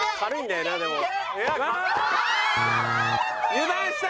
油断した！